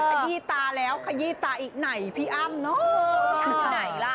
ขยี้ตาแล้วขยี้ตาอีกไหนพี่อ้ำเนอะไหนล่ะ